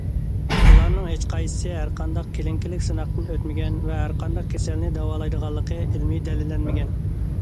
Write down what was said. ئۇلارنىڭ ھېچقايسىسى ھەر قانداق كىلىنىكىلىق سىناقتىن ئۆتمىگەن ۋە ھەر قانداق كېسەلنى داۋالايدىغانلىقى ئىلمىي دەلىللەنمىگەن.